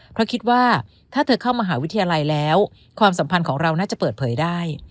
เพราะคิดว่าถ้าเธอเข้ามหาวิทยาลัยแล้วความสัมพันธ์ของเราน่าจะเปิดเผยได้